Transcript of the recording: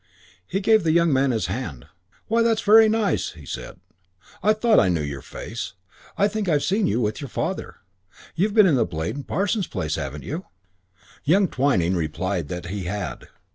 He gave the young man his hand. "Why, that's very nice," he said. "I thought I knew your face. I think I've seen you with your father. You've been in Blade and Parson's place, haven't you?" Young Twyning replied that he had.